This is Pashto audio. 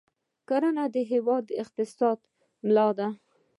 کرنه د هېواد د اقتصاد ملا ده.